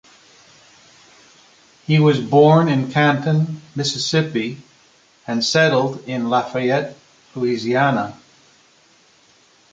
He was born in Canton, Mississippi, and settled in Lafayette, Louisiana.